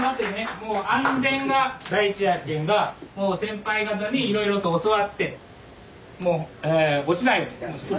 もう安全が第一やけんがもう先輩方にいろいろと教わってもう落ちないようにして。